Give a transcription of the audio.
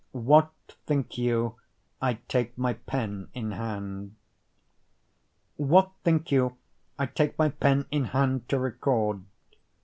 What Think You I Take My Pen in Hand? What think you I take my pen in hand to record?